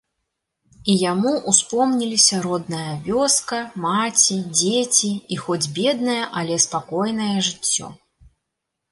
І яму ўспомніліся родная вёска, маці, дзеці і хоць беднае, але спакойнае жыццё.